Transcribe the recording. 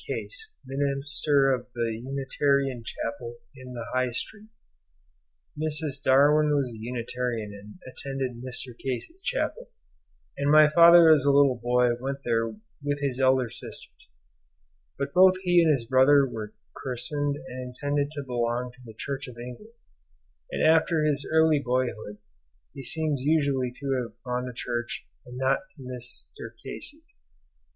Case, minister of the Unitarian Chapel in the High Street. Mrs. Darwin was a Unitarian and attended Mr. Case's chapel, and my father as a little boy went there with his elder sisters. But both he and his brother were christened and intended to belong to the Church of England; and after his early boyhood he seems usually to have gone to church and not to Mr. Case's.